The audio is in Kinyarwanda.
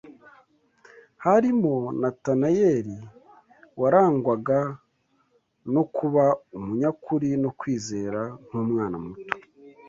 Harimo Natanayeli, warangwaga no kuba umunyakuri no kwizera nk’umwana muto